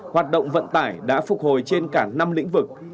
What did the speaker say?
hoạt động vận tải đã phục hồi trên cả năm lĩnh vực